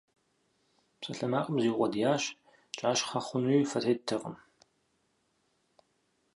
Псалъэмакъым зиукъуэдиящ, кӀащхъэ хъунуи фэ теттэкъым.